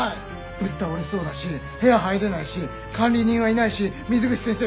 ぶっ倒れそうだし部屋入れないし管理人はいないし水口先生